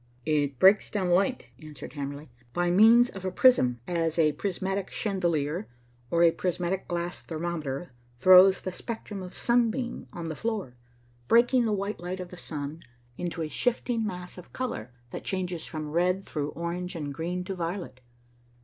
"It breaks down light," answered Hamerly, "by means of a prism, as a prismatic chandelier or a prismatic glass thermometer throws the spectrum of a sunbeam on the floor, breaking the white light of the sun into a shifting mass of color that changes from red, through orange and green to violet.